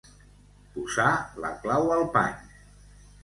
Posar la clau al pany.